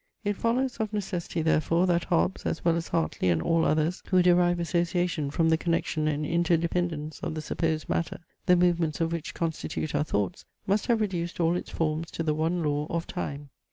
It follows of necessity, therefore, that Hobbes, as well as Hartley and all others who derive association from the connection and interdependence of the supposed matter, the movements of which constitute our thoughts, must have reduced all its forms to the one law of Time.